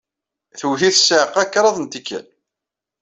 Twet-it ssiɛqa kraḍt n tikkal.